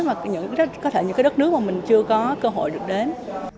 và có thể những đất nước mà mình chưa có cơ hội được đến